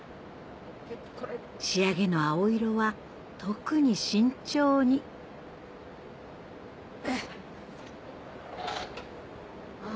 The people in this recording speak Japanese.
仕上げの青色は特に慎重にあ